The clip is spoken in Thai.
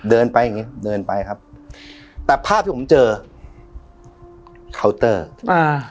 เดินไปอย่างงี้เดินไปครับแต่ภาพที่ผมเจอเคาน์เตอร์อ่า